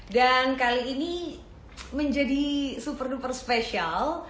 dan kali ini menjadi super duper special